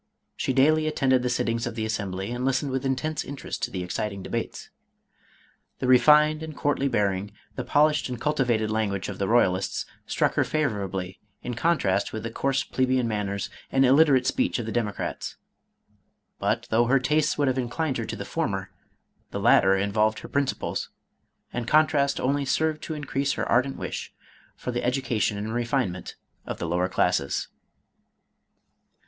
She daily attended the sittings of the Assembly and listened with intense interest to the exciting debates. The refined and courtly bearing, the polished and cultivated language of the royalists, struck her favorably in contrast with the course ple beian manners, and illiterate speech of the democrats, but though her tastes would have inclined her to the former, the latter involved her principles, and the con trast only served to increase her ardent wish for the education and refinement of the lower classes.